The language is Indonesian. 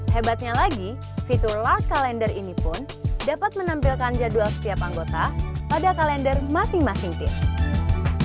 hebatnya lagi fitur lark kalender ini pun dapat menampilkan jadwal setiap anggota pada kalender masing masing tim